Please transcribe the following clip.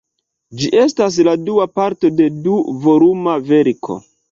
Ĝi estas la dua parto de du-voluma verko.